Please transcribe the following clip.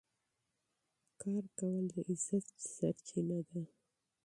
کار د عزت سرچینه ده.